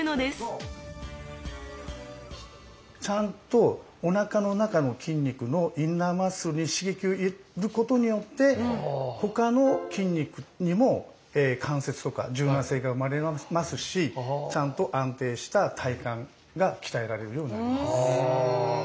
ちゃんとおなかの中の筋肉のインナーマッスルに刺激を入れることによって他の筋肉にも関節とか柔軟性が生まれますしちゃんと安定した体幹が鍛えられるようになります。